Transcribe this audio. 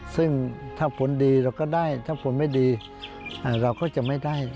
ซึ่งถ้าผลดีเราก็ได้ถ้าผลไม่ดีเราก็จะไม่ได้